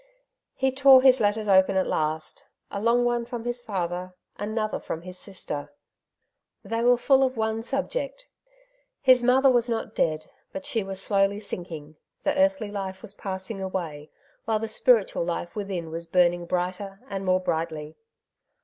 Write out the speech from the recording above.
He tore his letters open at last. A long one from his father, another from his sister. They were ISO " Two Sides to every Questioity full of one subject. His mother was not dead^ but she was slowly sinking — the earthly life was passing away, while the spiritual life within was burning brighter and more brightly.